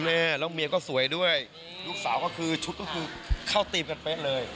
แม่แล้วเมียก็สวยด้วยลูกสาวก็คือชุดก็คือเข้าธีมกันเป๊ะเลย